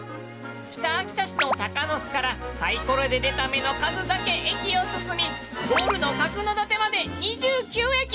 北秋田市の鷹巣からサイコロで出た目の数だけ駅を進みゴールの角館まで２９駅。